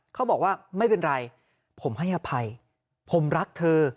เขาบอกว่าไม่เป็นไรผมให้อภัยผมรักเธอ